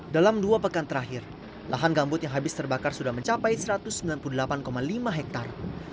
dalam dua pekan terakhir lahan gambut yang habis terbakar sudah mencapai satu ratus sembilan puluh delapan lima hektare